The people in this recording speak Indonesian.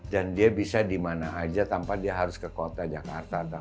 dan dia bisa dimana aja tanpa dia harus ke kota jakarta